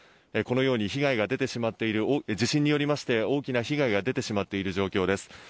このように被害が出てしまっている地震によりまして大きな被害が出ている状況です。